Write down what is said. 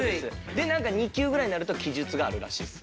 でなんか２級ぐらいになると記述があるらしいです。